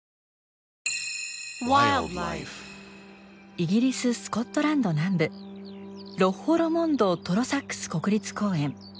イギリススコットランド南部ロッホ・ロモンド＝トロサックス国立公園。